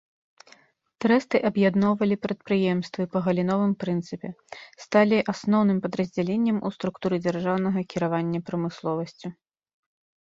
Трэсты аб'ядноўвалі прадпрыемствы па галіновым прынцыпе, сталі асноўным падраздзяленнем у структуры дзяржаўнага кіравання прамысловасцю.